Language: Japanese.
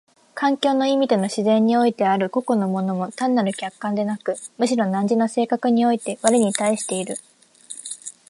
環境の意味での自然においてある個々の物も単なる客観でなく、むしろ汝の性格において我に対している。